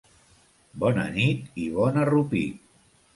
Bona nit i bon arrupit!